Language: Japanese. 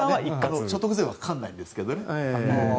所得税はかからないんですけどね。